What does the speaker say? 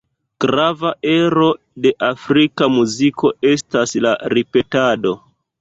Grava ero de afrika muziko estas la ripetado.